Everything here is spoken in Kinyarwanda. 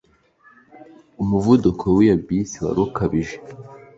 Umuvuduko wiyo Bisi wari ukabije